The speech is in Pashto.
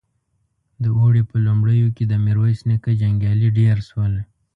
د اوړي په لومړيو کې د ميرويس نيکه جنګيالي ډېر شول.